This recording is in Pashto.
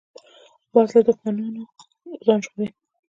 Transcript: باز له دوښمنو ځان ژغوري